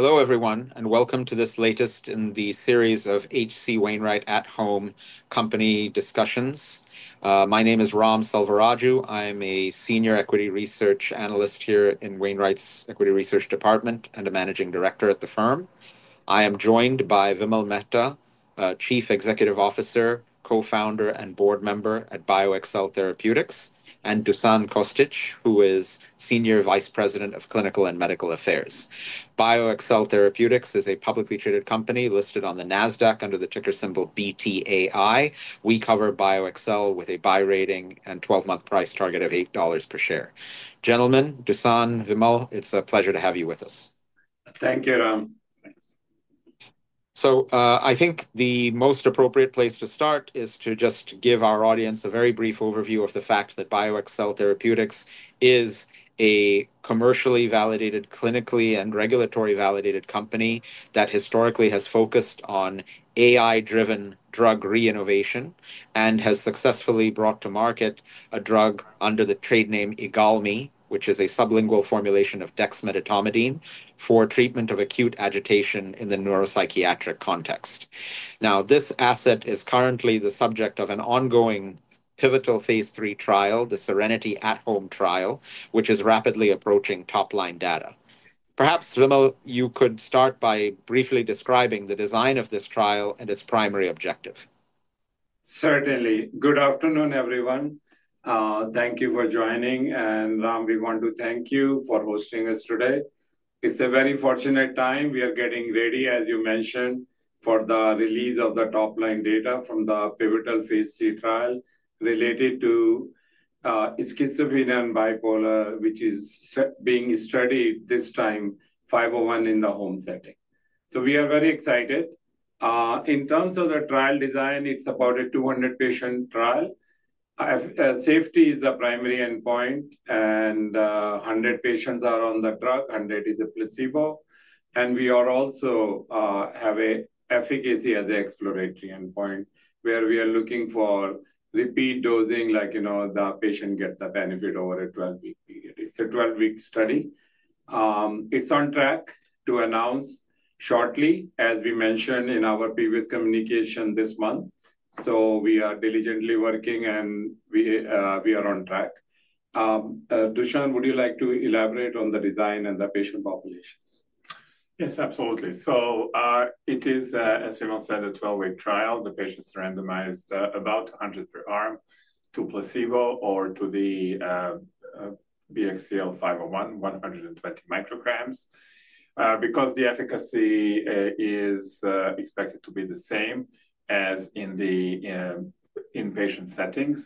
Hello, everyone, and welcome to this latest in the Series of H.C. Wainwright @Home Company Discussions. My name is Ram Salvaraju. I'm a Senior Equity Research Analyst here in Wainwright's Equity Research Department and a Managing Director at the firm. I am joined by Vimal Mehta, Chief Executive Officer, Co-Founder, and Board Member at BioXcel Therapeutics, and Dusan Kostic, who is Senior Vice President of Clinical and Medical Affairs. BioXcel Therapeutics is a publicly traded company listed on the NASDAQ under the ticker symbol BTAI. We cover BioXcel with a Buy Rating and 12-month price target of $8 per share. Gentlemen, Dusan, Vimal, it's a pleasure to have you with us. Thank you, Ram. I think the most appropriate place to start is to just give our audience a very brief overview of the fact that BioXcel Therapeutics is a commercially validated, clinically and regulatory validated company that historically has focused on AI-driven drug reinnovation and has successfully brought to market a drug under the trade name IGALMI, which is a sublingual formulation of dexmedetomidine for treatment of acute agitation in the neuropsychiatric context. Now, this asset is currently the subject of an ongoing Pivotal Phase III trial, the SERENITY At-Home trial, which is rapidly approaching top-line data. Perhaps, Vimal, you could start by briefly describing the design of this trial and its primary objective. Certainly. Good afternoon, everyone. Thank you for joining, and Ram, we want to thank you for hosting us today. It's a very fortunate time. We are getting ready, as you mentioned, for the release of the top-line data from the Pivotal Phase III trial related to schizophrenia and bipolar, which is being studied this time, 501 in the home setting. We are very excited. In terms of the trial design, it's about a 200-patient trial. Safety is the primary endpoint, and 100 patients are on the drug, and it is a placebo. We also have efficacy as an exploratory endpoint, where we are looking for repeat dosing, like the patient gets the benefit over a 12-week period. It's a 12-week study. It's on track to announce shortly, as we mentioned in our previous communication this month. We are diligently working, and we are on track. Dusan, would you like to elaborate on the design and the patient populations? Yes, absolutely. It is, as Vimal said, a 12-week trial. The patients are randomized, about 100 per arm, to placebo or to the BXCL501, 120 mcg. The efficacy is expected to be the same as in the inpatient setting,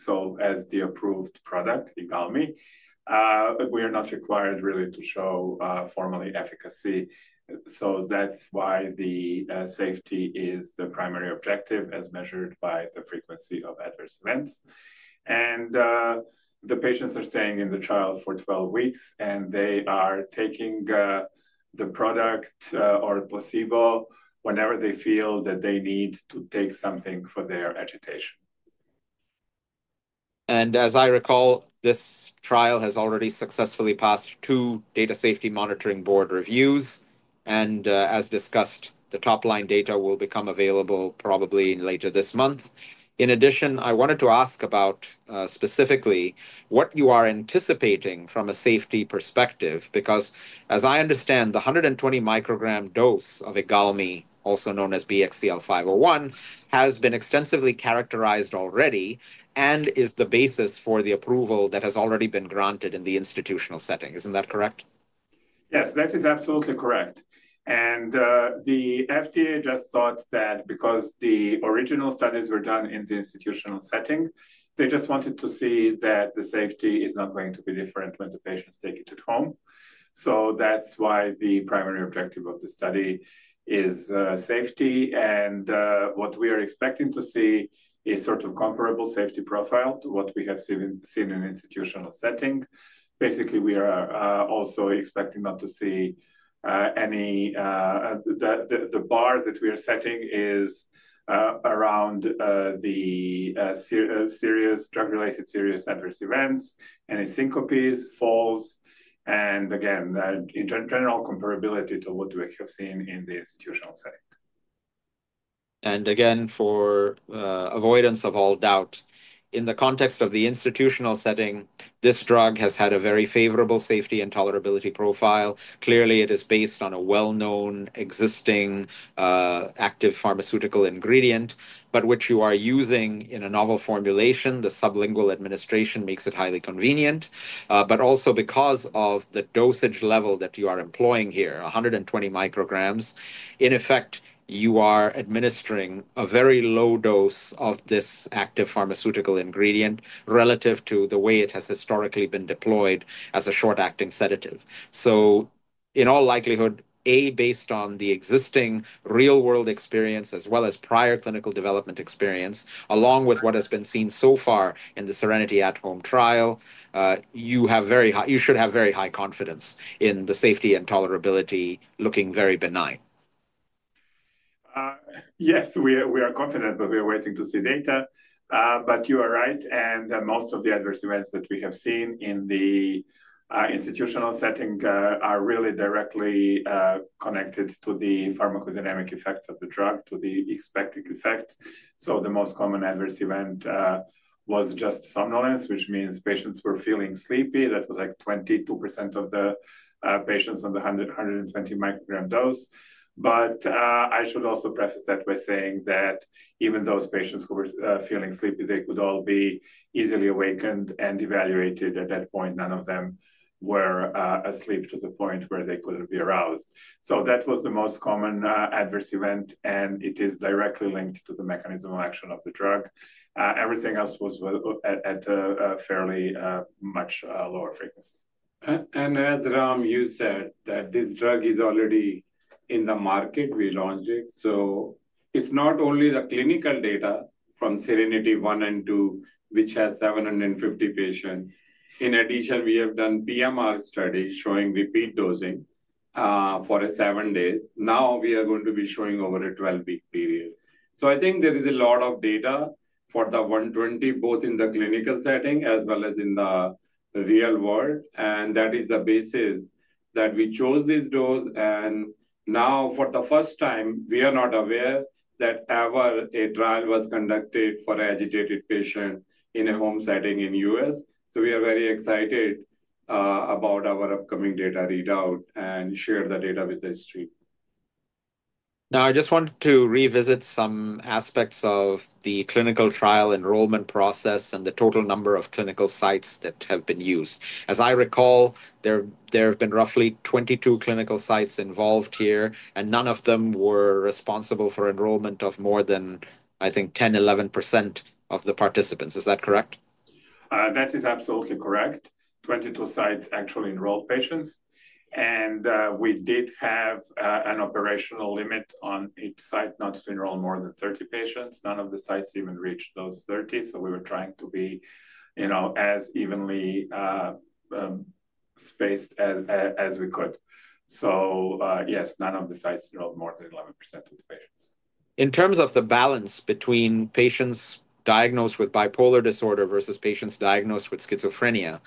as the approved product, IGALMI. We are not required really to show formally efficacy. That is why the safety is the primary objective, as measured by the frequency of adverse events. The patients are staying in the trial for 12 weeks, and they are taking the product or placebo whenever they feel that they need to take something for their agitation. As I recall, this trial has already successfully passed two Data Safety Monitoring Board reviews. As discussed, the top-line data will become available probably later this month. In addition, I wanted to ask about specifically what you are anticipating from a safety perspective, because as I understand, the 120 mcg dose of IGALMI, also known as BXCL501, has been extensively characterized already and is the basis for the approval that has already been granted in Institutional setting. Isn't that correct? Yes, that is absolutely correct. The FDA just thought that because the original studies were done in Institutional setting, they just wanted to see that the safety is not going to be different when the patients take it at home. That is why the primary objective of the study is safety. What we are expecting to see is sort of a comparable safety profile to what we have seen in Institutional setting. Basically, we are also expecting not to see any—the bar that we are setting is around the serious drug-related serious adverse events, any syncopes, falls, and again, that internal comparability to what we have seen in the Institutional setting. For avoidance of all doubt, in the context of Institutional setting, this drug has had a very favorable safety and tolerability profile. Clearly, it is based on a well-known existing active pharmaceutical ingredient, but which you are using in a novel formulation. The sublingual administration makes it highly convenient, also because of the dosage level that you are employing here, 120 mcg. In effect, you are administering a very low dose of this active pharmaceutical ingredient relative to the way it has historically been deployed as a short-acting sedative. In all likelihood, based on the existing real-world experience, as well as prior clinical development experience, along with what has been seen so far in the SERENITY At-Home trial, you should have very high confidence in the safety and tolerability, looking very benign. Yes, we are confident, but we're waiting to see data. You are right, and most of the adverse events that we have seen in Institutional setting are really directly connected to the pharmacodynamic effects of the drug, to the expected effects. The most common adverse event was just somnolence, which means patients were feeling sleepy. That's like 22% of the patients on the 120 mcg dose. I should also preface that by saying that even those patients who were feeling sleepy, they could all be easily awakened and evaluated at that point. None of them were asleep to the point where they could not be aroused. That was the most common adverse event, and it is directly linked to the mechanism of action of the drug. Everything else was at a fairly much lower frequency. As, Ram, you said, this drug is already in the market. We launched it. It is not only the clinical data from SERENITY I & II, which has 750 patients. In addition, we have done PMR studies showing repeat dosing for seven days. Now, we are going to be showing over a 12-week period. I think there is a lot of data for the 120 mcg, both in the clinical setting as well as in the real world. That is the basis that we chose this dose. Now, for the first time, we are not aware that ever a trial was conducted for agitated patients in a home setting in the U.S. We are very excited about our upcoming data readout and share the data with the street. Now, I just want to revisit some aspects of the clinical trial enrollment process and the total number of clinical sites that have been used. As I recall, there have been roughly 22 clinical sites involved here, and none of them were responsible for enrollment of more than, I think, 10%-11% of the participants. Is that correct? That is absolutely correct. 22 sites actually enrolled patients. We did have an operational limit on each site not to enroll more than 30 patients. None of the sites even reached those 30 patients. We were trying to be as evenly spaced as we could. Yes, none of the sites enrolled more than 11% of the patients. In terms of the balance between patients diagnosed with bipolar disorder versus patients diagnosed with schizophrenia,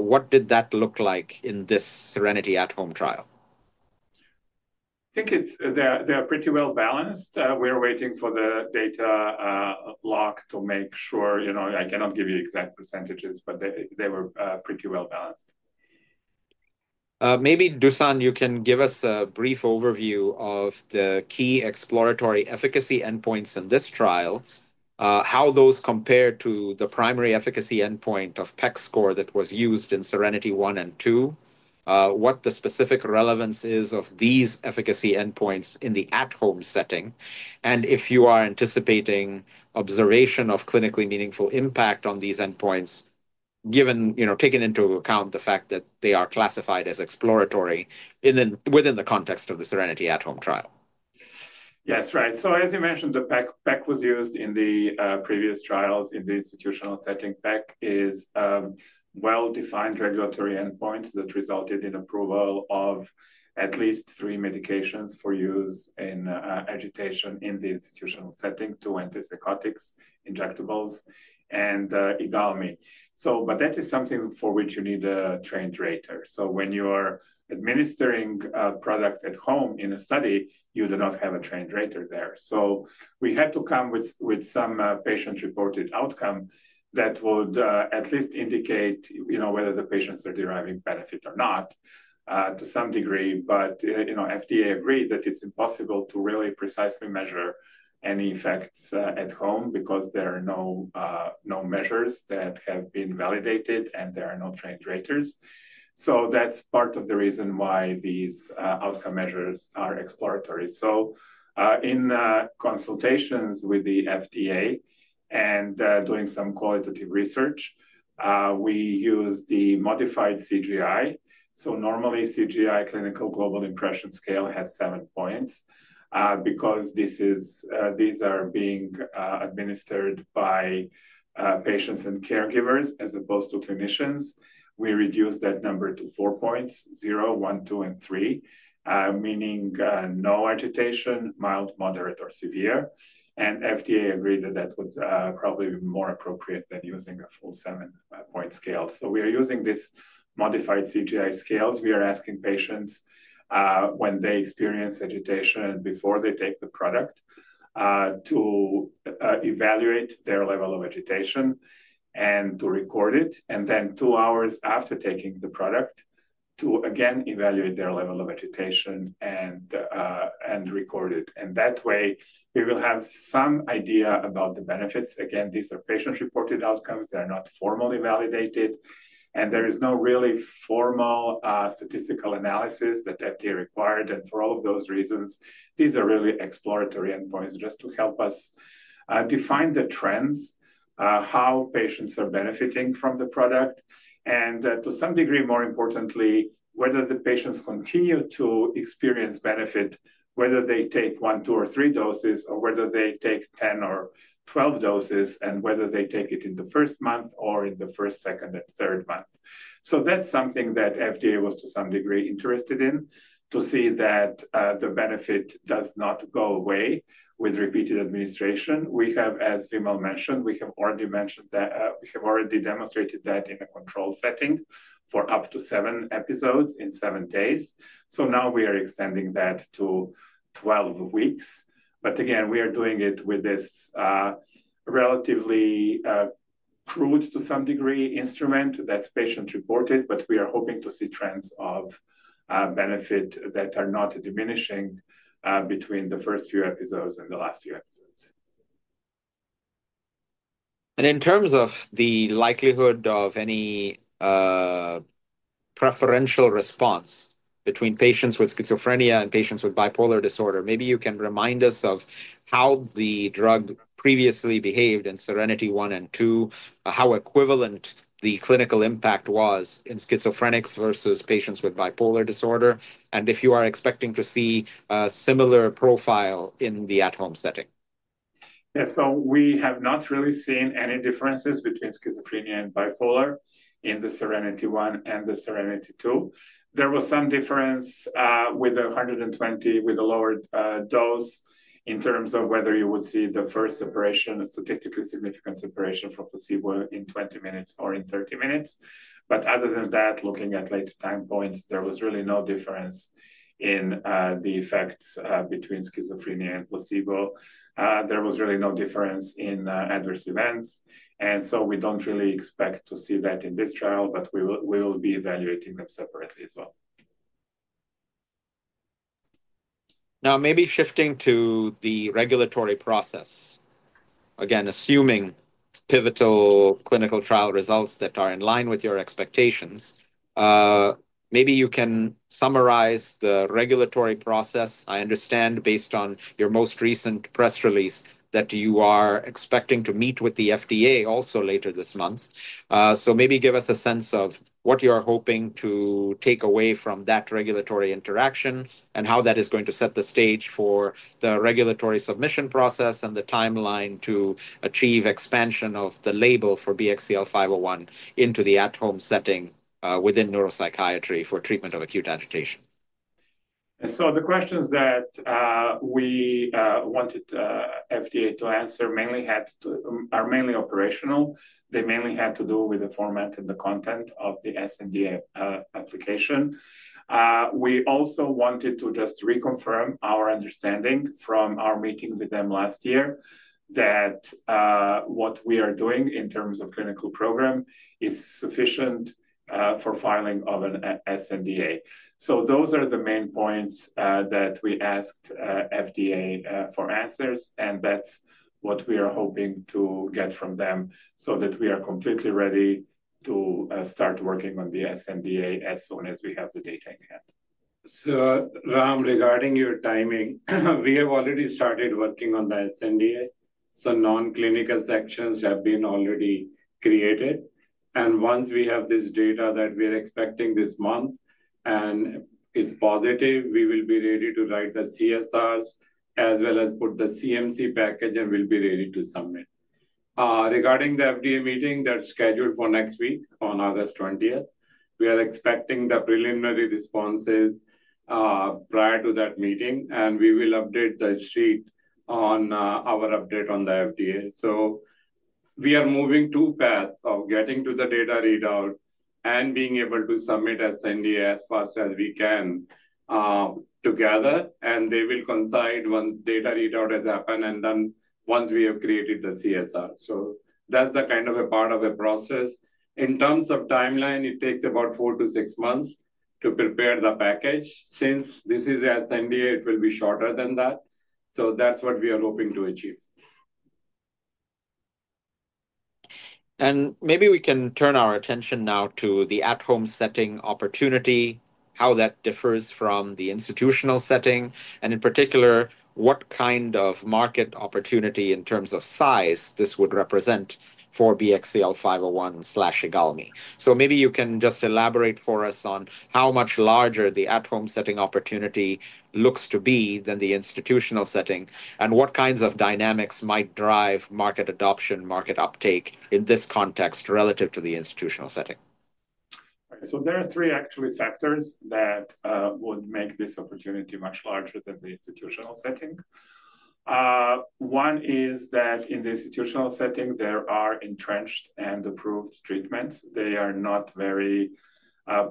what did that look like in this SERENITY At-Home trial? I think they are pretty well balanced. We are waiting for the data log to make sure. I cannot give you exact percentages, but they were pretty well balanced. Maybe, Dusan, you can give us a brief overview of the key exploratory efficacy endpoints in this trial, how those compare to the primary efficacy endpoint of PEG score that was used in SERENITY I & II, what the specific relevance is of these efficacy endpoints in the At-Home setting, and if you are anticipating observation of clinically meaningful impact on these endpoints, given taking into account the fact that they are classified as exploratory within the context of the SERENITY At-Home trial. Yes, right. As you mentioned, the PEG was used in the previous trials in Institutional setting. PEG is well-defined regulatory endpoints that resulted in approval of at least three medications for use in agitation in Institutional setting: two antipsychotics, injectables, and IGALMI. That is something for which you need a trained rater. When you are administering a product at home in a study, you do not have a trained rater there. We had to come with some patient-reported outcome that would at least indicate whether the patients are deriving benefit or not to some degree. FDA agreed that it's impossible to really precisely measure any effects at home because there are no measures that have been validated, and there are no trained raters. That is part of the reason why these outcome measures are exploratory. In consultations with the FDA and doing some qualitative research, we use the modified CGI. Normally, CGI, Clinical Global Impression Scale, has seven points. Because these are being administered by patients and caregivers as opposed to clinicians, we reduce that number to four points: 0, 1, 2, and 3, meaning no agitation, mild, moderate, or severe. FDA agreed that that would probably be more appropriate than using a full seven-point scale. We are using these modified CGI scales. We are asking patients when they experience agitation before they take the product to evaluate their level of agitation and to record it. Then two hours after taking the product, to again evaluate their level of agitation and record it. That way, we will have some idea about the benefits. These are patient-reported outcomes. They are not formally validated. There is no really formal statistical analysis that FDA required. For all of those reasons, these are really exploratory endpoints just to help us define the trends, how patients are benefiting from the product, and to some degree, more importantly, whether the patients continue to experience benefit, whether they take one, two, or three doses, or whether they take 10 or 12 doses, and whether they take it in the first month or in the first, second, and third month. That is something that FDA was to some degree interested in, to see that the benefit does not go away with repeated administration. We have, as Vimal mentioned, already demonstrated that in a control setting for up to seven episodes in seven days. Now we are extending that to 12 weeks. We are doing it with this relatively crude, to some degree, instrument that's patient-reported, but we are hoping to see trends of benefit that are not diminishing between the first few episodes and the last few episodes. In terms of the likelihood of any preferential response between patients with schizophrenia and patients with bipolar disorder, maybe you can remind us of how the drug previously behaved in SERENITY I and II, how equivalent the clinical impact was in patients with schizophrenia versus patients with bipolar disorder, and if you are expecting to see a similar profile in the At-Home setting. Yes, we have not really seen any differences between schizophrenia and bipolar in the SERENITY I and the SERENITY II. There was some difference with the 120 with the lower dose in terms of whether you would see the first separation, a statistically significant separation for placebo in 20 minutes or in 30 minutes. Other than that, looking at later time points, there was really no difference in the effects between schizophrenia and placebo. There was really no difference in adverse events. We don't really expect to see that in this trial, but we will be evaluating them separately as well. Now, maybe shifting to the regulatory process, again, assuming pivotal clinical trial results that are in line with your expectations, maybe you can summarize the regulatory process. I understand, based on your most recent press release, that you are expecting to meet with the FDA also later this month. Maybe give us a sense of what you are hoping to take away from that regulatory interaction and how that is going to set the stage for the regulatory submission process and the timeline to achieve expansion of the label for BXCL501 into the At-Home setting within neuropsychiatry for treatment of acute agitation. The questions that we wanted FDA to answer are mainly operational. They mainly had to do with the format and the content of the sNDA application. We also wanted to just reconfirm our understanding from our meeting with them last year that what we are doing in terms of clinical program is sufficient for filing of an sNDA. Those are the main points that we asked FDA for answers, and that's what we are hoping to get from them so that we are completely ready to start working on the sNDA as soon as we have the data in hand. Ram, regarding your timing, we have already started working on the sNDA. Non-clinical sections have been already created. Once we have this data that we are expecting this month and is positive, we will be ready to write the CSRs as well as put the CMC package and will be ready to submit. Regarding the FDA meeting that's scheduled for next week on August 20th, we are expecting the preliminary responses prior to that meeting, and we will update the street on our update on the FDA. We are moving two paths of getting to the data readout and being able to submit sNDA as fast as we can together, and they will coincide when data readout has happened and then once we have created the CSR. That's the kind of a part of the process. In terms of timeline, it takes about four to six months to prepare the package. Since this is the sNDA, it will be shorter than that. That's what we are hoping to achieve. Maybe we can turn our attention now to the At-Home setting opportunity, how that differs from Institutional setting, and in particular, what kind of market opportunity in terms of size this would represent for BXCL501/IGALMI. Maybe you can just elaborate for us on how much larger the At-Home setting opportunity looks to be than the Institutional setting and what kinds of dynamics might drive market adoption, market uptake in this context relative to the Institutional setting. There are three actually factors that would make this opportunity much larger than Institutional setting. One is that in Institutional setting, there are entrenched and approved treatments. They are not very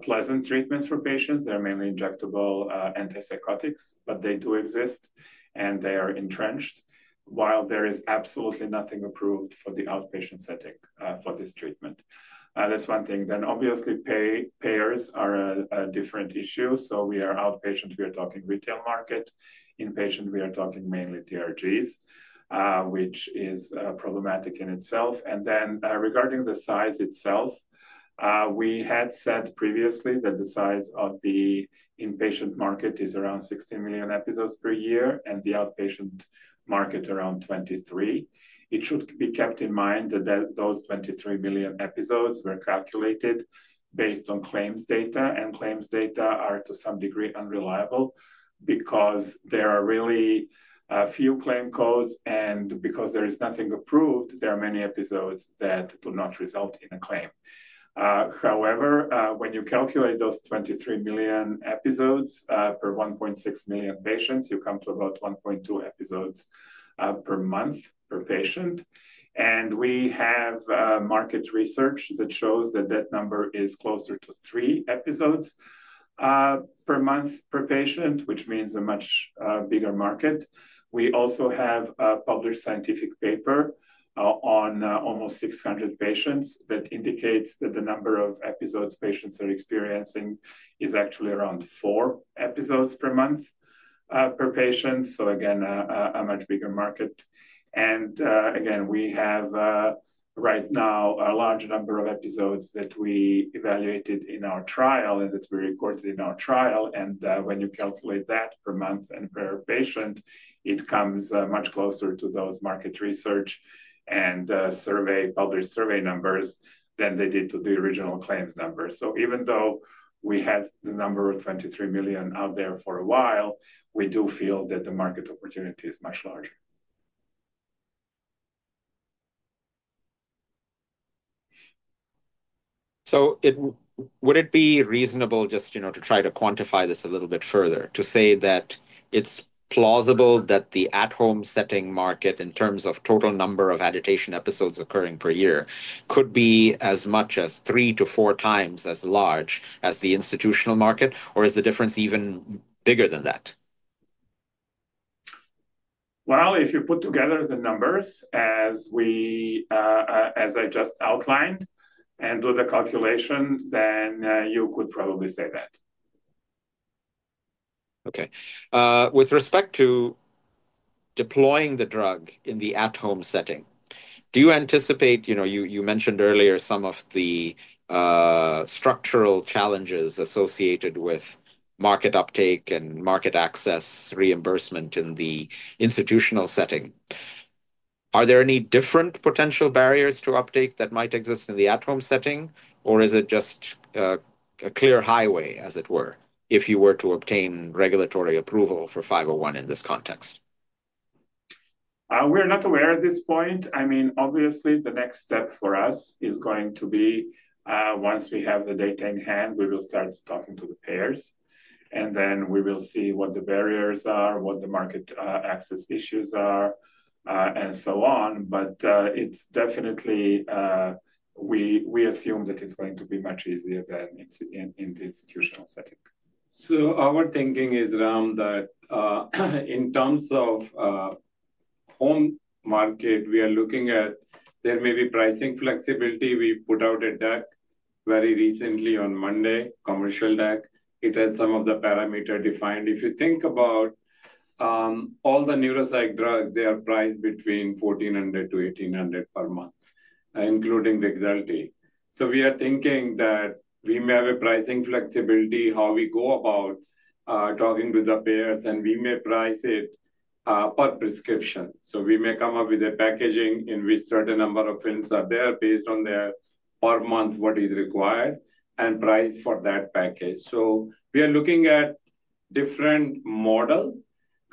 pleasant treatments for patients. They are mainly injectable antipsychotics, but they do exist, and they are entrenched, while there is absolutely nothing approved for the outpatient setting for this treatment. That's one thing. Obviously, payers are a different issue. We are outpatient. We are talking retail market. Inpatient, we are talking mainly DRGs, which is problematic in itself. Regarding the size itself, we had said previously that the size of the inpatient market is around 16 million episodes per year and the outpatient market around 23 million. It should be kept in mind that those 23 million episodes were calculated based on claims data, and claims data are to some degree unreliable because there are really few claim codes, and because there is nothing approved, there are many episodes that would not result in a claim. However, when you calculate those 23 million episodes per 1.6 million patients, you come to about 1.2 episodes per month per patient. We have market research that shows that that number is closer to three episodes per month per patient, which means a much bigger market. We also have a published scientific paper on almost 600 patients that indicates that the number of episodes patients are experiencing is actually around four episodes per month per patient. Again, a much bigger market. We have right now a large number of episodes that we evaluated in our trial and that we reported in our trial. When you calculate that per month and per patient, it comes much closer to those market research and published survey numbers than they did to the original claims numbers. Even though we have the number of 23 million out there for a while, we do feel that the market opportunity is much larger. Would it be reasonable just to try to quantify this a little bit further, to say that it's plausible that the At-Home setting market in terms of total number of agitation episodes occurring per year could be as much as three to four times as large as the institutional market, or is the difference even bigger than that? If you put together the numbers as I just outlined and do the calculation, then you could probably say that. Okay. With respect to deploying the drug in the At-Home setting, do you anticipate, you mentioned earlier some of the structural challenges associated with market uptake and market access reimbursement in Institutional setting, are there any different potential barriers to uptake that might exist in the At-Home setting, or is it just a clear highway, as it were, if you were to obtain regulatory approval for 501 in this context? We're not aware at this point. I mean, obviously, the next step for us is going to be, once we have the data in hand, we will start talking to the payers, and then we will see what the barriers are, what the market access issues are, and so on. We assume that it's going to be much easier than in Institutional setting. Our thinking is around that kind of in terms of home market, we are looking at there may be pricing flexibility. We put out a deck very recently on Monday, commercial deck. It has some of the parameters defined. If you think about all the neuropsych drugs, they are priced between $1,400-$1,800 per month, including REXULTI. We are thinking that we may have a pricing flexibility, how we go about talking to the payers, and we may price it per prescription. We may come up with a packaging in which a certain number of films are there based on their per month what is required and price for that package. We are looking at a different model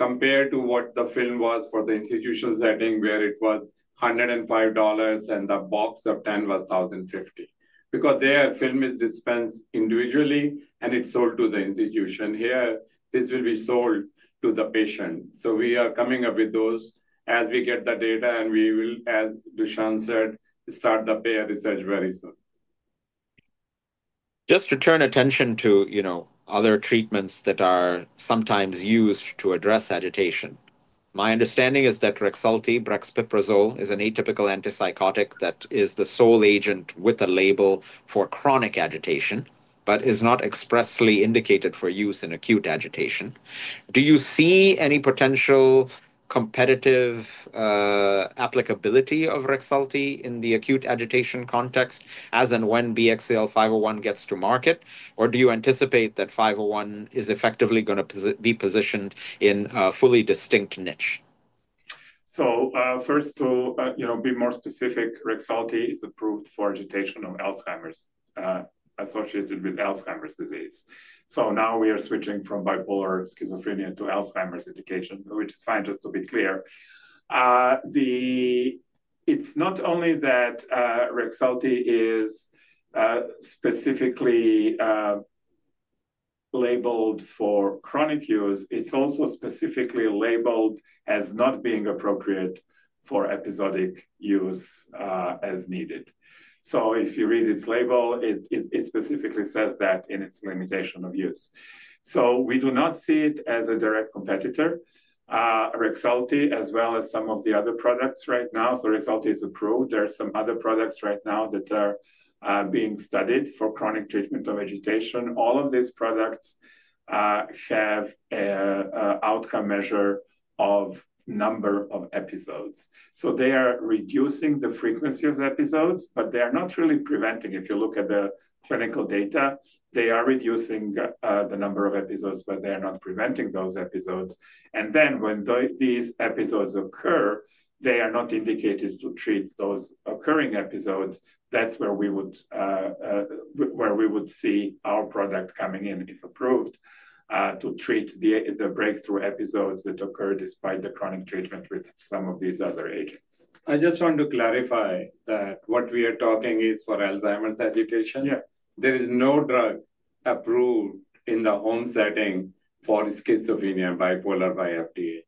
compared to what the film was for Institutional setting where it was $105 and the box of 10 was $1,050. Because there, film is dispensed individually, and it's sold to the institution. Here, this will be sold to the patient. We are coming up with those as we get the data, and we will, as Dusan said, start the payer research very soon. Just to turn attention to other treatments that are sometimes used to address agitation, my understanding is that REXULTI, brexpiprazole, is an atypical antipsychotic that is the sole agent with a label for chronic agitation but is not expressly indicated for use in acute agitation. Do you see any potential competitive applicability of REXULTI in the acute agitation context as and when BXCL501 gets to market, or do you anticipate that 501 is effectively going to be positioned in a fully distinct niche? First, to be more specific, REXULTI is approved for agitation associated with Alzheimer's disease. Now we are switching from bipolar, schizophrenia to Alzheimer's agitation, which is fine, just to be clear. It's not only that REXULTI is specifically labeled for chronic use, it's also specifically labeled as not being appropriate for episodic use as needed. If you read its label, it specifically says that in its limitation of use. We do not see it as a direct competitor. REXULTI, as well as some of the other products right now, is approved. There are some other products right now that are being studied for chronic treatment of agitation. All of these products have an outcome measure of number of episodes. They are reducing the frequency of episodes, but they are not really preventing. If you look at the clinical data, they are reducing the number of episodes, but they are not preventing those episodes. When these episodes occur, they are not indicated to treat those occurring episodes. That's where we would see our product coming in, if approved, to treat the breakthrough episodes that occur despite the chronic treatment with some of these other agents. I just want to clarify that what we are talking is for Alzheimer's agitation. There is no drug approved in the home setting for schizophrenia, bipolar, by FDA.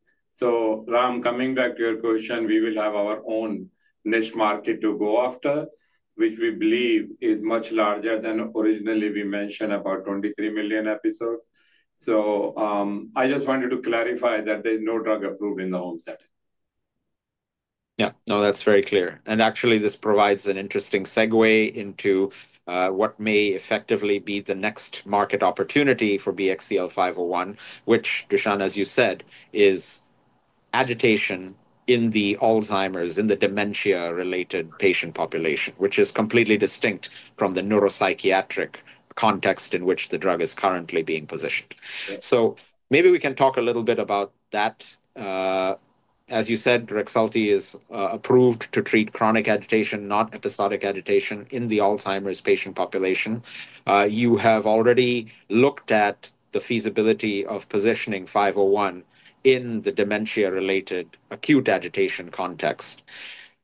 Ram, coming back to your question, we will have our own niche market to go after, which we believe is much larger than originally. We mentioned about 23 million episodes. I just wanted to clarify that there's no drug approved in the home setting. Yeah, no, that's very clear. This provides an interesting segue into what may effectively be the next market opportunity for BXCL501, which, Dusan, as you said, is agitation in the Alzheimer's, in the dementia-related patient population, which is completely distinct from the neuropsychiatric context in which the drug is currently being positioned. Maybe we can talk a little bit about that. As you said, REXULTI is approved to treat chronic agitation, not episodic agitation in the Alzheimer's patient population. You have already looked at the feasibility of positioning 501 in the dementia-related acute agitation context.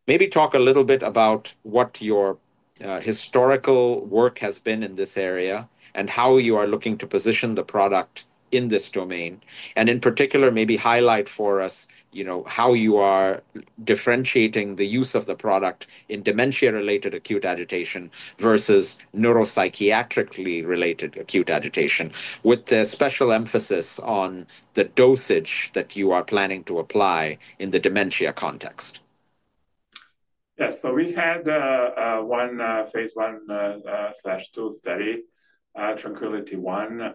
Maybe talk a little bit about what your historical work has been in this area and how you are looking to position the product in this domain, and in particular, maybe highlight for us how you are differentiating the use of the product in dementia-related acute agitation versus neuropsychiatrically related acute agitation, with the special emphasis on the dosage that you are planning to apply in the dementia context. Yes, so we had one Phase I/II study, TRANQUILITY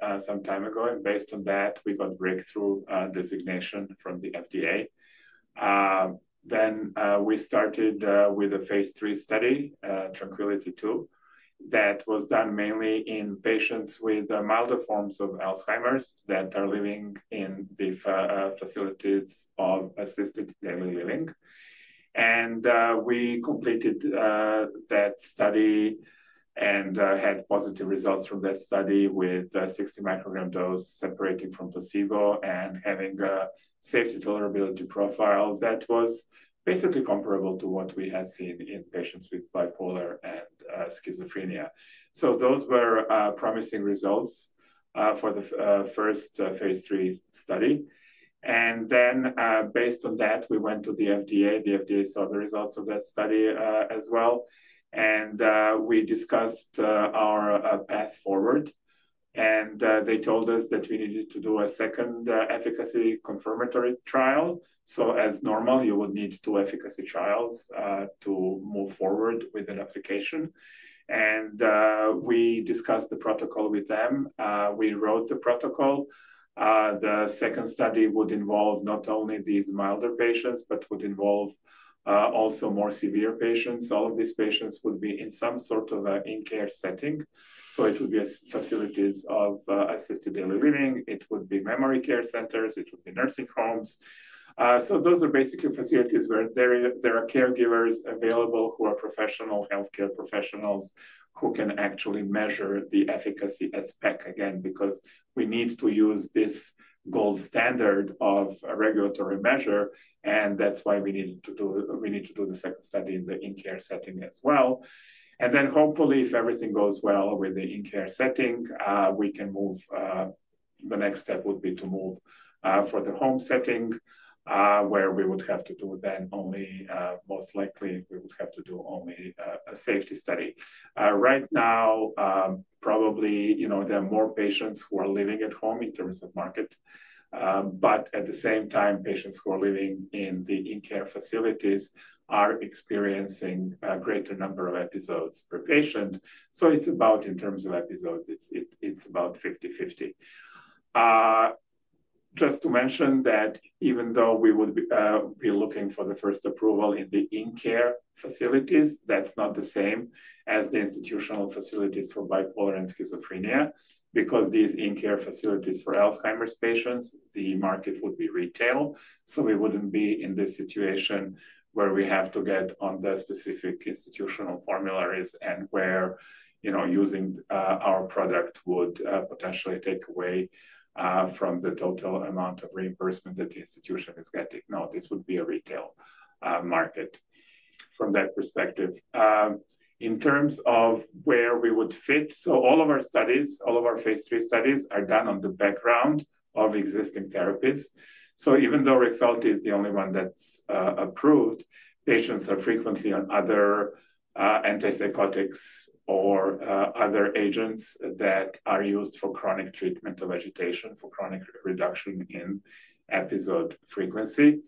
I, some time ago, and based on that, we got breakthrough designation from the FDA. We started with Phase III study, TRANQUILITY II, that was done mainly in patients with milder forms of Alzheimer's that are living in the facilities of assisted daily living. We completed that study and had positive results from that study with a 60 mcg dose separated from placebo and having a safety tolerability profile that was basically comparable to what we had seen in patients with bipolar and schizophrenia. Those were promising results for the Phase III study. Based on that, we went to the FDA. The FDA saw the results of that study as well, and we discussed our path forward. They told us that we needed to do a second efficacy confirmatory trial. As normal, you would need two efficacy trials to move forward with an application. We discussed the protocol with them. We wrote the protocol. The second study would involve not only these milder patients, but would involve also more severe patients. All of these patients would be in some sort of an in-care setting. It would be facilities of assisted daily living. It would be memory care centers. It would be nursing homes. Those are basically facilities where there are caregivers available who are professional healthcare professionals who can actually measure the efficacy aspect again, because we need to use this gold standard of a regulatory measure. That's why we need to do the second study in the in-care setting as well. Hopefully, if everything goes well with the in-care setting, we can move. The next step would be to move for the home setting, where we would have to do then only, most likely, we would have to do only a safety study. Right now, probably there are more patients who are living at home in terms of market. At the same time, patients who are living in the in-care facilities are experiencing a greater number of episodes per patient. It's about in terms of episodes, it's about 50-50. Just to mention that even though we would be looking for the first approval in the in-care facilities, that's not the same as the institutional facilities for bipolar and schizophrenia. These in-care facilities for Alzheimer's patients, the market would be retail. We wouldn't be in this situation where we have to get on the specific institutional formularies and where using our product would potentially take away from the total amount of reimbursement that the institution is getting. This would be a retail market from that perspective. In terms of where we would fit, all of our studies, all of Phase III studies are done on the background of existing therapies. Even though REXULTI is the only one that's approved, patients are frequently on other antipsychotics or other agents that are used for chronic treatment of agitation, for chronic reduction in episode frequency.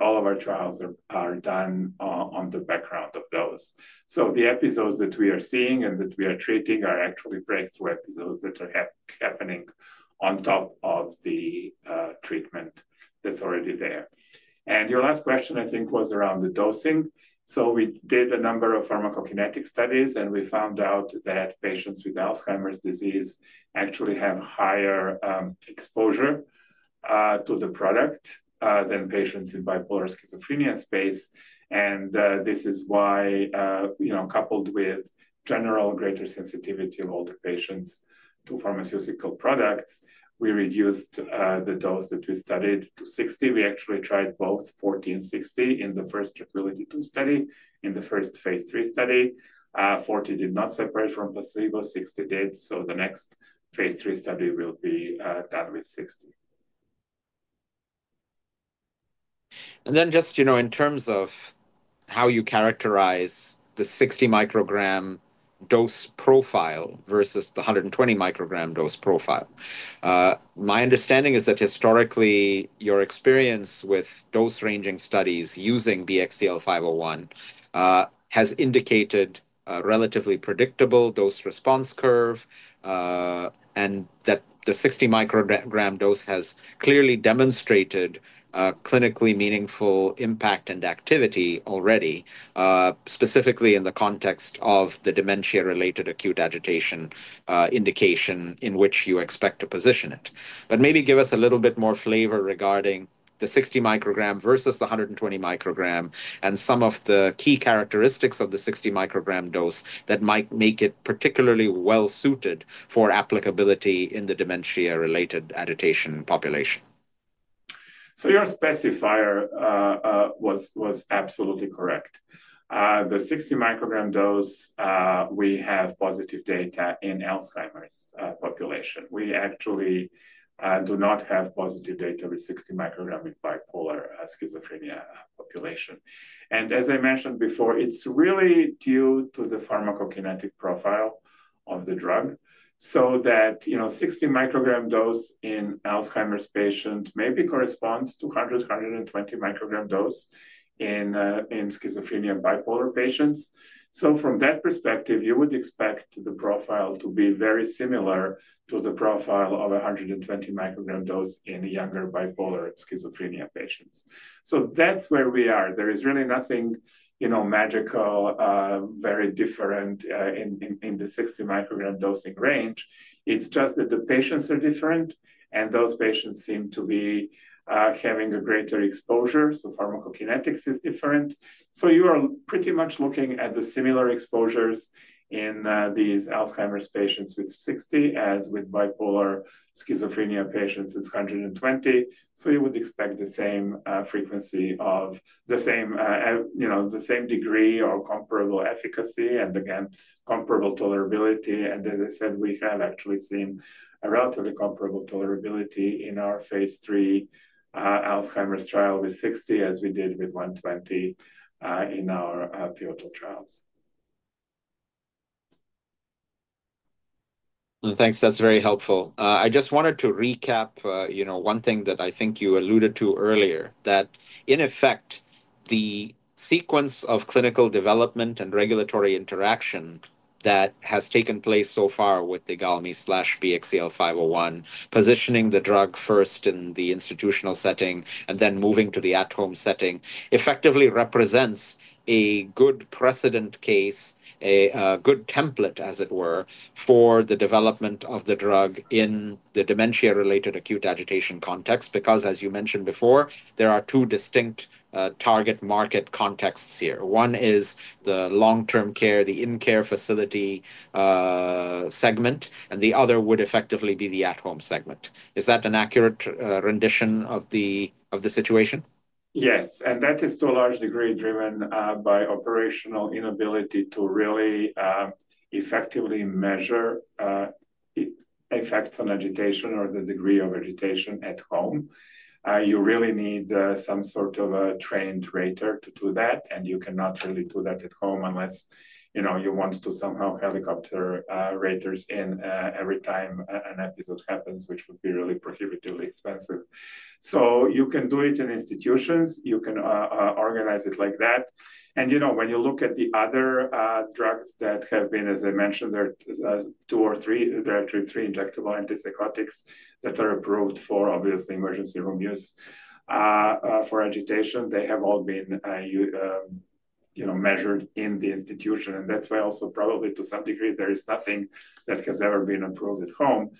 All of our trials are done on the background of those. The episodes that we are seeing and that we are treating are actually breakthrough episodes that are happening on top of the treatment that's already there. Your last question, I think, was around the dosing. We did a number of pharmacokinetic studies, and we found out that patients with Alzheimer's disease actually have higher exposure to the product than patients in bipolar or schizophrenia space. This is why, coupled with general greater sensitivity of older patients to pharmaceutical products, we reduced the dose that we studied to 60 mcg. We actually tried both 40 mcg and 60mcg in the first TRANQUILITY In-Care trial, in the Phase III study. Forty mcg did not separate from placebo., 60 mcg did. The next Phase III study will be done with 60 mcg. In terms of how you characterize the 60 mcg dose profile versus the 120 mcg dose profile, my understanding is that historically, your experience with dose-ranging studies using BXCL501 has indicated a relatively predictable dose response curve, and that the 60 mcg dose has clearly demonstrated clinically meaningful impact and activity already, specifically in the context of the dementia-related acute agitation indication in which you expect to position it. Maybe give us a little bit more flavor regarding the 60 mcg versus the 120 mcg and some of the key characteristics of the 60 mcg dose that might make it particularly well suited for applicability in the dementia-related agitation population. Your specifier was absolutely correct. The 60 mcg dose, we had positive data in Alzheimer's population. We actually do not have positive data with 60 mcg in bipolar schizophrenia population. As I mentioned before, it's really due to the pharmacokinetic profile of the drug. That 60 mcg dose in Alzheimer's patients maybe corresponds to 100mcg-120 mcg dose in schizophrenia bipolar patients. From that perspective, you would expect the profile to be very similar to the profile of a 120 mcg dose in younger bipolar schizophrenia patients. There is really nothing, you know, magical, very different in the 60 mcg dosing range. It's just that the patients are different, and those patients seem to be having a greater exposure. Pharmacokinetics is different. You are pretty much looking at the similar exposures in these Alzheimer's patients with 60 mcg, as with bipolar schizophrenia patients with 120 mcg. You would expect the same frequency of the same, you know, the same degree of comparable efficacy and again, comparable tolerability. As I said, we have actually seen a relatively comparable tolerability in Phase III Alzheimer's trial with 60 mcg, as we did with 120 mcg in our pivotal trials. Thanks. That's very helpful. I just wanted to recap, you know, one thing that I think you alluded to earlier, that in effect, the sequence of clinical development and regulatory interaction that has taken place so far with IGALMI/BXCL501, positioning the drug first in Institutional setting and then moving to the At-Home setting, effectively represents a good precedent case, a good template, as it were, for the development of the drug in the dementia-related acute agitation context. Because, as you mentioned before, there are two distinct target market contexts here. One is the long-term care, the in-care facility segment, and the other would effectively be the At-Home segment. Is that an accurate rendition of the situation? Yes, and that is to a large degree driven by operational inability to really effectively measure the effects on agitation or the degree of agitation at home. You really need some sort of a trained rater to do that, and you cannot really do that at home unless you want to somehow helicopter raters in every time an episode happens, which would be really prohibitively expensive. You can do it in institutions. You can organize it like that. When you look at the other drugs that have been, as I mentioned, there are two or three, there are actually three injectable antipsychotics that are approved for obviously emergency room use for agitation. They have all been measured in the institution. That is why also probably to some degree, there is nothing that has ever been approved at home.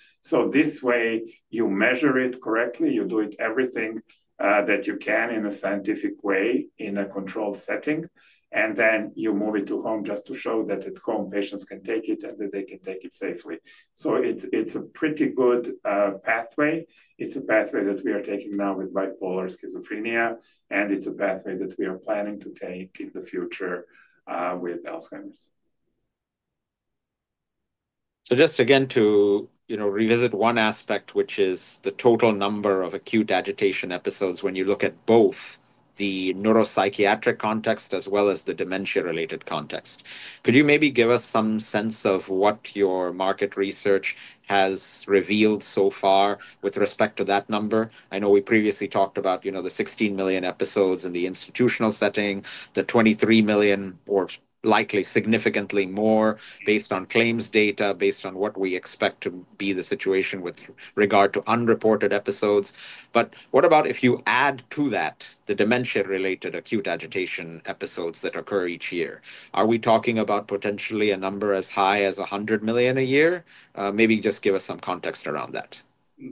This way, you measure it correctly. You do everything that you can in a scientific way in a controlled setting, and then you move it to home just to show that at home, patients can take it and that they can take it safely. It is a pretty good pathway. It is a pathway that we are taking now with bipolar schizophrenia, and it is a pathway that we are planning to take in the future with Alzheimer's. Just again to revisit one aspect, which is the total number of acute agitation episodes when you look at both the neuropsychiatric context as well as the dementia-related context. Could you maybe give us some sense of what your market research has revealed so far with respect to that number? I know we previously talked about the 16 million episodes in Institutional setting, the 23 million or likely significantly more based on claims data, based on what we expect to be the situation with regard to unreported episodes. What about if you add to that the dementia-related acute agitation episodes that occur each year? Are we talking about potentially a number as high as 100 million a year? Maybe just give us some context around that.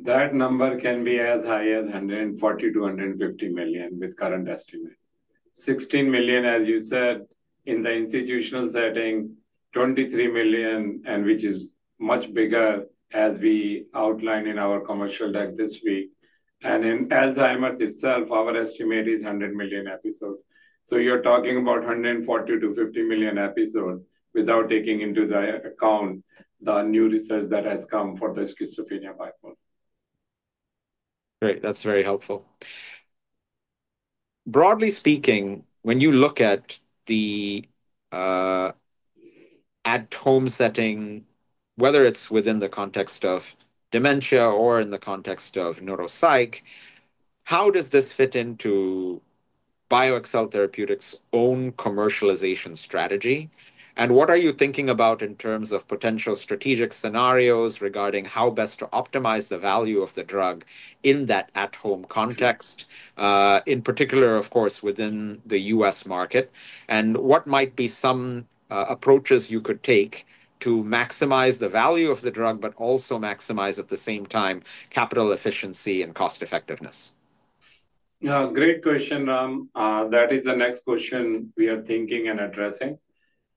That number can be as high as 140 million-150 million with current estimate. $16 million, as you said, in Institutional setting, $23 million, which is much bigger as we outline in our commercial deck this week. And in Alzheimer’s itself, our estimate is $100 million episodes. You're talking about 140 million-150 million episodes without taking into account the new research that has come from the schizophrenia market. Great. That's very helpful. Broadly speaking, when you look at the At-Home setting, whether it's within the context of dementia or in the context of neuropsych, how does this fit into BioXcel Therapeutics' own commercialization strategy? What are you thinking about in terms of potential strategic scenarios regarding how best to optimize the value of the drug in that At-Home context, in particular, of course, within the U.S. market? What might be some approaches you could take to maximize the value of the drug, but also maximize at the same time capital efficiency and cost effectiveness? Great question, Ram. That is the next question we are thinking and addressing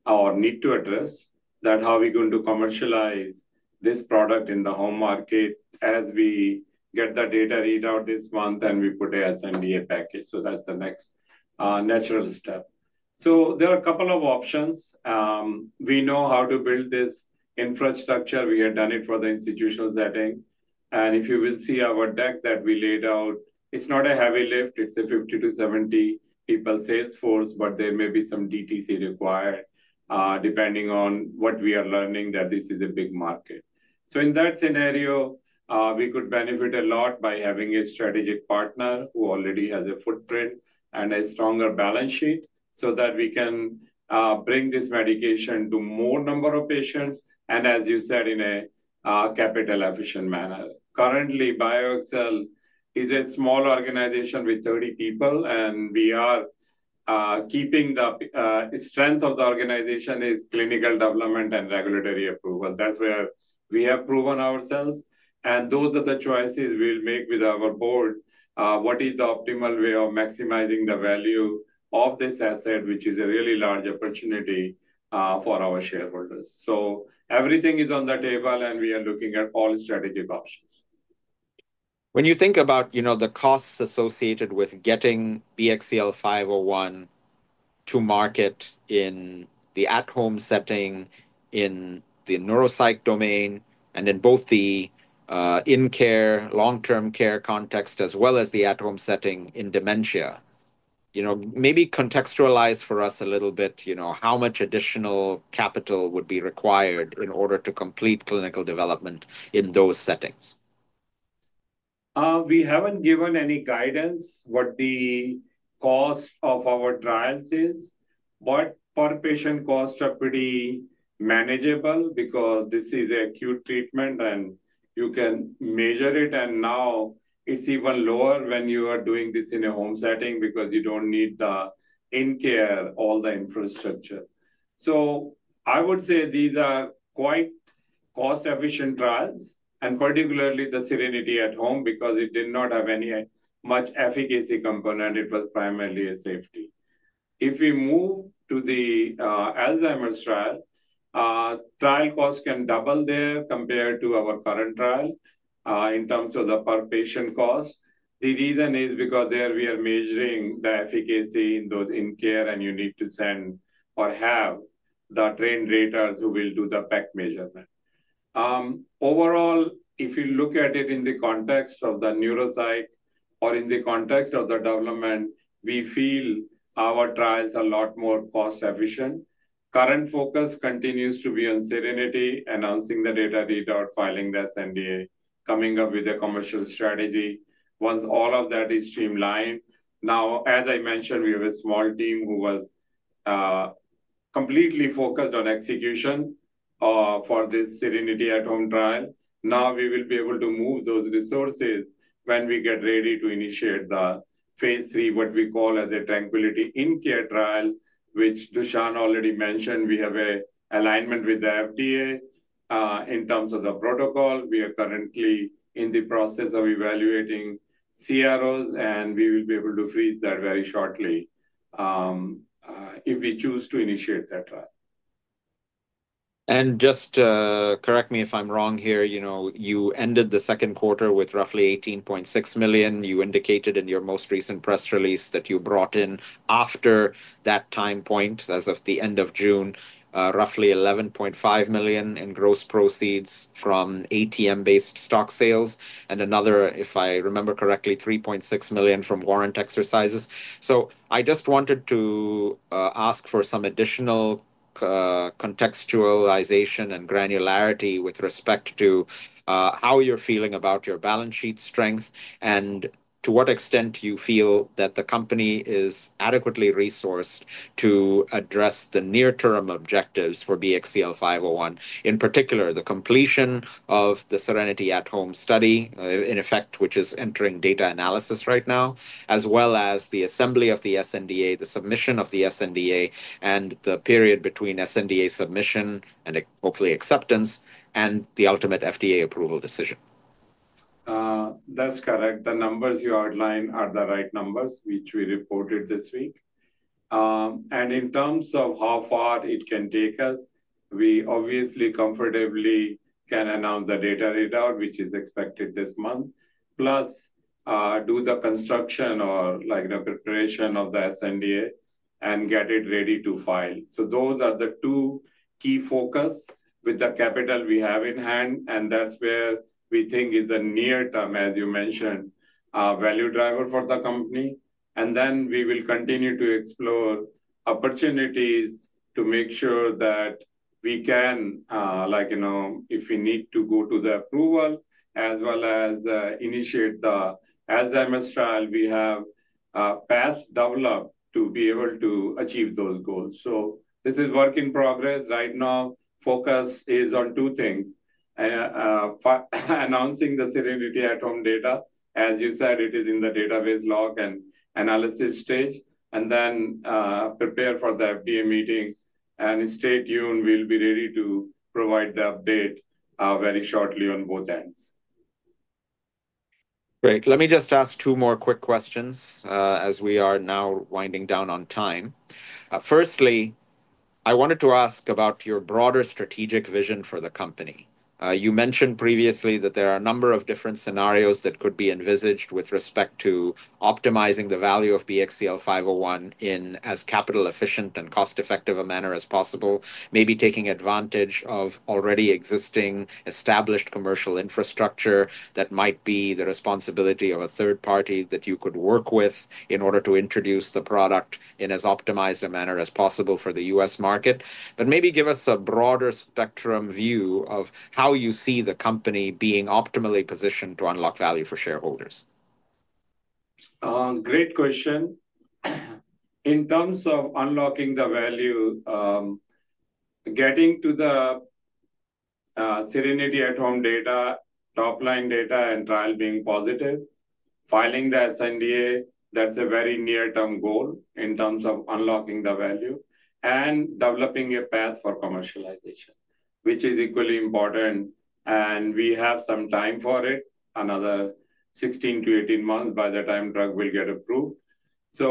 or need to address. That, how are we going to commercialize this product in the home market as we get that data readout this month and we put an sNDA package? That is the next natural step. There are a couple of options. We know how to build this infrastructure. We have done it for Institutional setting. If you will see our deck that we laid out, it's not a heavy lift. It's a 50-70 people sales force, but there may be some DTC required depending on what we are learning that this is a big market. In that scenario, we could benefit a lot by having a strategic partner who already has a footprint and a stronger balance sheet so that we can bring this medication to a more number of patients, and as you said, in a capital-efficient manner. Currently, BioXcel is a small organization with 30 people, and we are keeping the strength of the organization in clinical development and regulatory approval. That's where we have proven ourselves. Those are the choices we'll make with our board. What is the optimal way of maximizing the value of this asset, which is a really large opportunity for our shareholders? Everything is on the table, and we are looking at all strategic options. When you think about the costs associated with getting BXCL501 to market in the At-Home setting, in the neuropsych domain, and in both the in-care, long-term care context, as well as the At-Home setting in dementia, maybe contextualize for us a little bit, how much additional capital would be required in order to complete clinical development in those settings? We haven't given any guidance what the cost of our trials is. Per patient costs are pretty manageable because this is an acute treatment, and you can measure it. Now it's even lower when you are doing this in a home setting because you don't need the in-care or the infrastructure. I would say these are quite cost-efficient trials, particularly the SERENITY At-Home trial, because it did not have any much efficacy component. It was primarily a safety. If we move to the Alzheimer's trial, trial costs can double there compared to our current trial in terms of the per patient cost. The reason is because there we are measuring the efficacy in those in-care, and you need to send or have the trained raters who will do the PEG measurement. Overall, if you look at it in the context of the neuropsych or in the context of the development, we feel our trials are a lot more cost-efficient. Current focus continues to be on SERENITY, announcing the data readout, filing the sNDA, coming up with a commercial strategy. Once all of that is streamlined, now, as I mentioned, we have a small team who was completely focused on execution for this SERENITY At-Home trial. Now we will be able to move those resources when we get ready to initiate Phase III, what we call as a TRANQUILITY In-Care trial, which Dusan already mentioned. We have an alignment with the FDA in terms of the protocol. We are currently in the process of evaluating CROs, and we will be able to freeze that very shortly if we choose to initiate that trial. Just correct me if I'm wrong here, you ended the second quarter with roughly $18.6 million. You indicated in your most recent press release that you brought in, after that time point, as of the end of June, roughly $11.5 million in gross proceeds from ATM-based stock sales and another, if I remember correctly, $3.6 million from warrant exercises. I just wanted to ask for some additional contextualization and granularity with respect to how you're feeling about your balance sheet strength and to what extent you feel that the company is adequately resourced to address the near-term objectives for BXCL501, in particular, the completion of the SERENITY At-Home trial, which is entering data analysis right now, as well as the assembly of the sNDA, the submission of the sNDA, and the period between sNDA submission and hopefully acceptance, and the ultimate FDA approval decision. That's correct. The numbers you outlined are the right numbers, which we reported this week. In terms of how far it can take us, we obviously comfortably can announce the data readout, which is expected this month, plus do the construction or preparation of the sNDA and get it ready to file. Those are the two key focus with the capital we have in hand, and that's where we think is a near-term, as you mentioned, value driver for the company. We will continue to explore opportunities to make sure that we can, like, you know, if we need to go to the approval as well as initiate the Alzheimer's trial, we have a path developed to be able to achieve those goals. This is work in progress. Right now, focus is on two things: announcing the SERENITY At-Home data, as you said, it is in the database log and analysis stage, and then prepare for the FDA meeting and stay tuned. We'll be ready to provide the update very shortly on both ends. Great. Let me just ask two more quick questions as we are now winding down on time. Firstly, I wanted to ask about your broader strategic vision for the company. You mentioned previously that there are a number of different scenarios that could be envisaged with respect to optimizing the value of BXCL501 in as capital-efficient and cost-effective a manner as possible, maybe taking advantage of already existing established commercial infrastructure that might be the responsibility of a third party that you could work with in order to introduce the product in as optimized a manner as possible for the U.S. market. Maybe give us a broader spectrum view of how you see the company being optimally positioned to unlock value for shareholders. Great question. In terms of unlocking the value, getting to the SERENITY At-Home data, top-line data, and trial being positive, filing the sNDA, that's a very near-term goal in terms of unlocking the value and developing a path for commercialization, which is equally important. We have some time for it, another 16-18 months by the time drug will get approved. We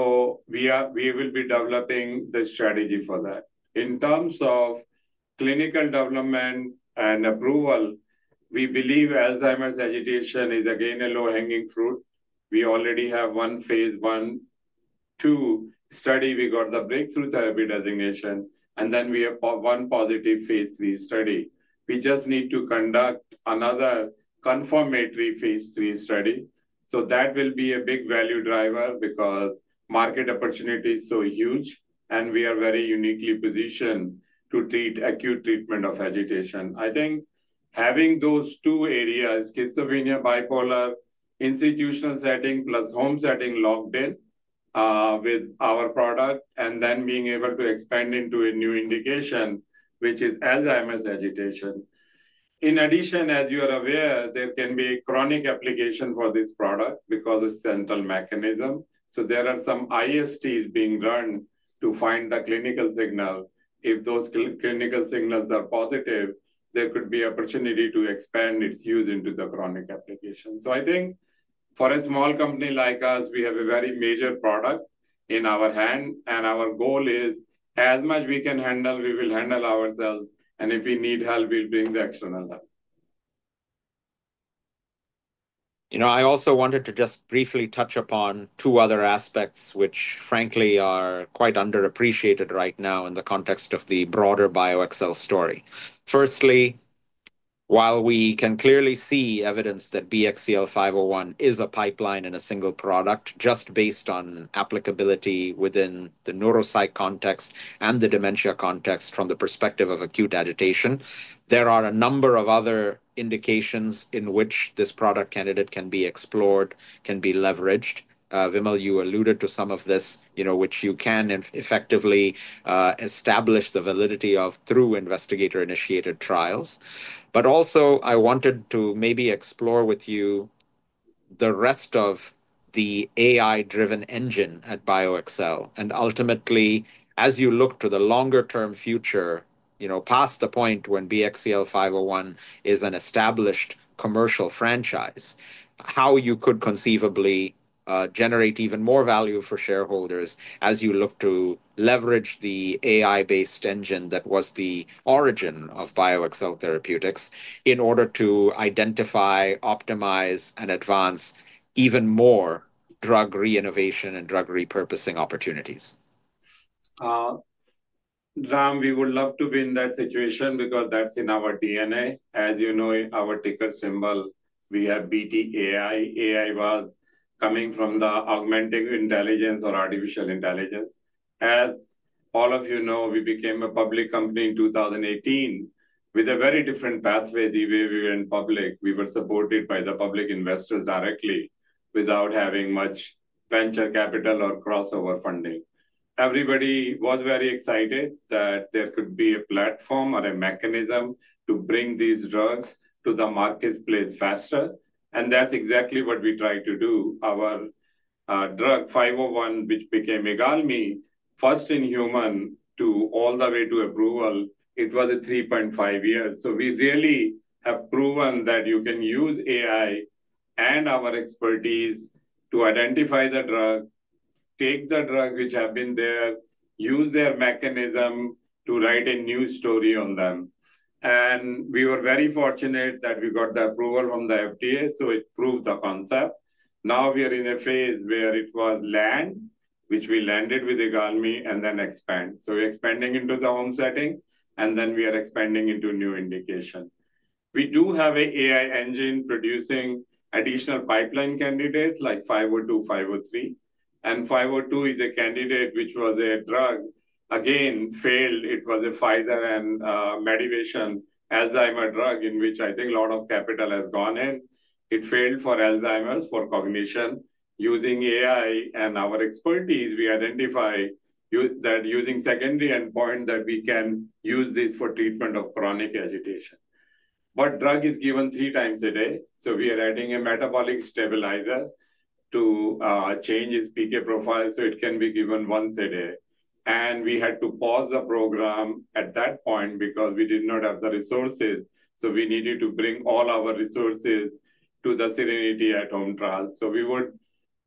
will be developing this strategy for that. In terms of clinical development and approval, we believe Alzheimer's agitation is again a low-hanging fruit. We already have one Phase I/II study. We got the breakthrough therapy designation, and then we have one Phase III study. We just need to conduct another Phase III study. That will be a big value driver because market opportunity is so huge, and we are very uniquely positioned to treat acute treatment of agitation. I think having those two areas, schizophrenia, Institutional setting plus home setting locked in with our product, and then being able to expand into a new indication, which is Alzheimer's agitation. In addition, as you are aware, there can be chronic application for this product because of the central mechanism. There are some ISTs being run to find the clinical signal. If those clinical signals are positive, there could be an opportunity to expand its use into the chronic application. I think for a small company like us, we have a very major product in our hand, and our goal is as much as we can handle, we will handle ourselves. If we need help, we'll bring the external help. You know, I also wanted to just briefly touch upon two other aspects which frankly are quite underappreciated right now in the context of the broader BioXcel story. Firstly, while we can clearly see evidence that BXCL501 is a pipeline and a single product just based on applicability within the neuropsych context and the dementia context from the perspective of acute agitation, there are a number of other indications in which this product candidate can be explored, can be leveraged. Vimal, you alluded to some of this, you know, which you can effectively establish the validity of through investigator-initiated trials. I wanted to maybe explore with you the rest of the AI-driven engine at BioXcel. Ultimately, as you look to the longer-term future, past the point when BXCL501 is an established commercial franchise, how you could conceivably generate even more value for shareholders as you look to leverage the AI-driven engine that was the origin of BioXcel Therapeutics in order to identify, optimize, and advance even more drug reinnovation and drug repurposing opportunities. Ram, we would love to be in that situation because that's in our DNA. As you know, our ticker symbol, we have BTAI. AI was coming from the augmented intelligence or artificial intelligence. As all of you know, we became a public company in 2018 with a very different pathway than the way we were in public. We were supported by the public investors directly without having much venture capital or crossover funding. Everybody was very excited that there could be a platform or a mechanism to bring these drugs to the market space faster. That's exactly what we tried to do. Our drug 501, which became IGALMI, first in human to all the way to approval, it was a 3.5 year. We really have proven that you can use AI and our expertise to identify the drug, take the drugs which have been there, use their mechanism to write a new story on them. We were very fortunate that we got the approval from the FDA. It proved the concept. Now we are in a phase where it was land, which we landed with IGALMI and then expand. We're expanding into the home setting, and then we are expanding into new indications. We do have an AI engine producing additional pipeline candidates like 502, 503. 502 is a candidate which was a drug, again, failed. It was a Pfizer medication, Alzheimer drug in which I think a lot of capital has gone in. It failed for Alzheimer's for cognition. Using AI and our expertise, we identified that using secondary endpoint that we can use this for treatment of chronic agitation. Drug is given three times a day. We are adding a metabolic stabilizer to change its PK profile so it can be given once a day. We had to pause the program at that point because we did not have the resources. We needed to bring all our resources to the SERENITY At-Home trial. We would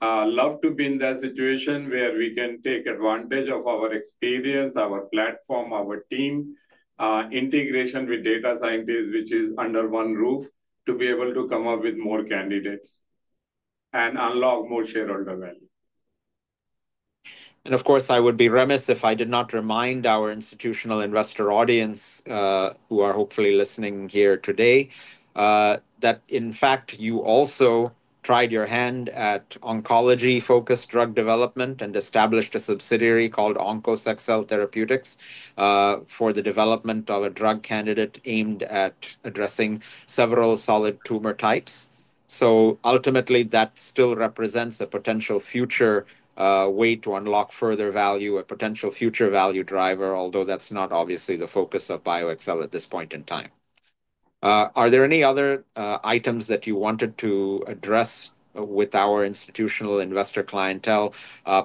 love to be in that situation where we can take advantage of our experience, our platform, our team, integration with data scientists, which is under one roof, to be able to come up with more candidates and unlock more shareholder value. Of course, I would be remiss if I did not remind our institutional investor audience who are hopefully listening here today that, in fact, you also tried your hand at oncology-focused drug development and established a subsidiary called OnkosXcel Therapeutics for the development of a drug candidate aimed at addressing several solid tumor types. Ultimately, that still represents a potential future way to unlock further value, a potential future value driver, although that's not obviously the focus of BioXcel at this point in time. Are there any other items that you wanted to address with our institutional investor clientele?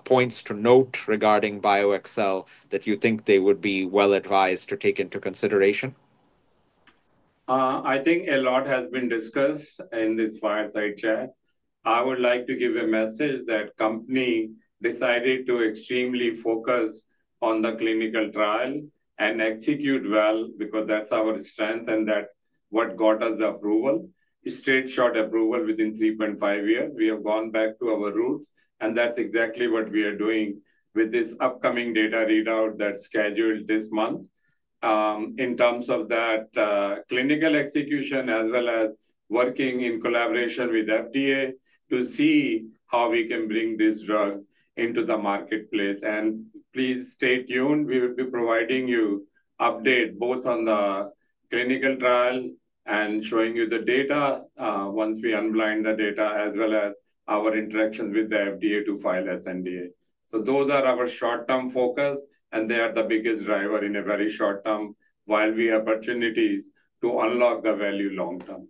Points to note regarding BioXcel that you think they would be well advised to take into consideration? I think a lot has been discussed in this fireside chat. I would like to give a message that the company decided to extremely focus on the clinical trial and execute well because that's our strength and that's what got us the approval. It's straight-shot approval within 3.5 years. We have gone back to our roots, and that's exactly what we are doing with this upcoming data readout that's scheduled this month in terms of that clinical execution as well as working in collaboration with the FDA to see how we can bring this drug into the marketplace. Please stay tuned. We will be providing you updates both on the clinical trial and showing you the data once we unblind the data as well as our interaction with the FDA to file sNDA. Those are our short-term focus, and they are the biggest driver in a very short term while we have opportunities to unlock the value long term.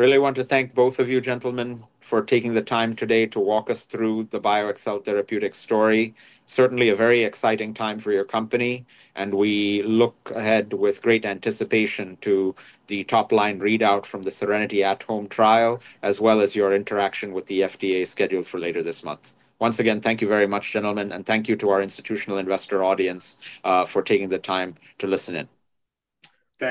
Really want to thank both of you, gentlemen, for taking the time today to walk us through the BioXcel Therapeutics story. Certainly a very exciting time for your company, and we look ahead with great anticipation to the top-line readout from the SERENITY At-Home trial as well as your interaction with the FDA scheduled for later this month. Once again, thank you very much, gentlemen, and thank you to our institutional investor audience for taking the time to listen in. Thanks.